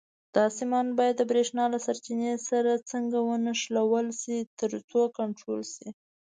دا سیمان باید د برېښنا له سرچینې سره څنګه ونښلول شي ترڅو کنټرول شي.